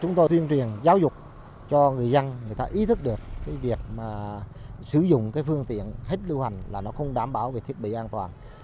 chúng tôi tuyên truyền giáo dục cho người dân người ta ý thức được cái việc mà sử dụng cái phương tiện hết lưu hành là nó không đảm bảo về thiết bị an toàn